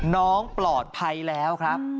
น้องปลอดภัยแล้วครับ